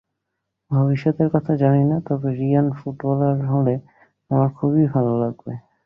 ভবিষ্যতের কথা জানি না, তবে রিয়ান ফুটবলার হলে আমার খুবই ভালো লাগবে।